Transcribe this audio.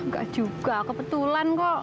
gak juga kebetulan kok